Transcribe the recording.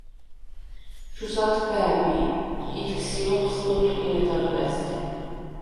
– ჩუ ს’ათბა̄̈ბ ი ითქს ი უ̂ეჴს მ’ოთხუ̂ინე დარბა̈ზთე.